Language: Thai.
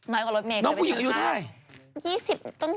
น้องผู้หญิงอายุไหน